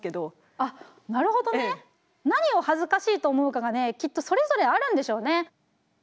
あなるほどね。何を恥ずかしいと思うかがねきっとそれぞれあるんでしょうね。